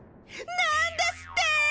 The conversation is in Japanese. なんですって！